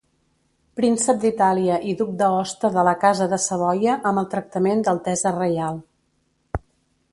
Príncep d'Itàlia i duc d'Aosta de la casa de Savoia amb el tractament d'altesa reial.